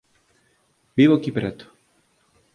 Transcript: Vivo aquí preto.